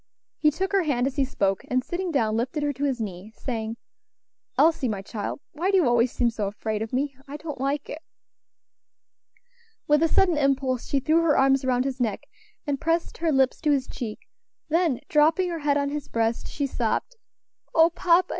He took her hand as he spoke, and sitting down, lifted her to his knee, saying, "Elsie, my child, why do you always seem so afraid of me? I don't like it." With a sudden impulse she threw her arms round his neck, and pressed her lips to his cheek; then dropping her head on his breast, she sobbed: "O papa!